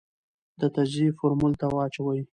د تجزیې فورمول ته واچوې ،